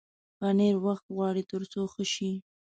پنېر وخت غواړي تر څو ښه شي.